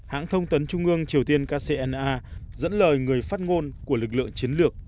hãng thông tấn trung ương triều tiên kcna dẫn lời người phát ngôn của lực lượng chiến lược